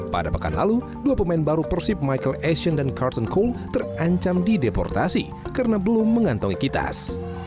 pada pekan lalu dua pemain baru persip michael aschen dan carlton cole terancam dideportasi karena belum mengantungi kitas